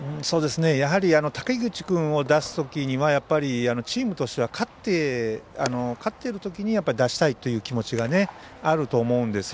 やはり滝口君を出すときにはチームとしては勝ってるときに出したいという気持ちがあると思うんですよ。